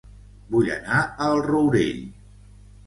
Vull anar a El Rourell